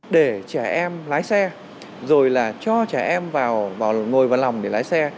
để trẻ em lái xe rồi là cho trẻ em ngồi vào lòng để lái xe